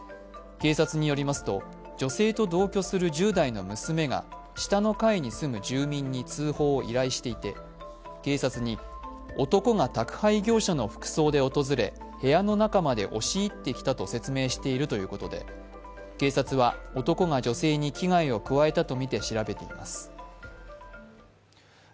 警察によりますと、女性と同居する１０代の娘が下の階に住む住民に通報を依頼していて警察に、男が宅配業者の服装で訪れ、部屋の中まで押し入ってきたと説明しているということで警察は男が女性に危害を加えたとみて調べています。